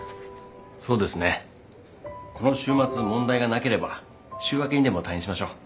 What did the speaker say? そうですねこの週末問題がなければ週明けにでも退院しましょう。